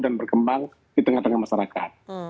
dan berkembang di tengah tengah masyarakat